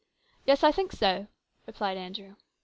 " Yes, I think so," replied Andrew.